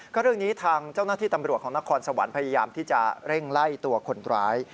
ก็เรื่องนี้ทางเจ้าหน้าที่ตำรวจของนครสวรรค์พยายามที่จะเร่งไล่ตัวคนร้าย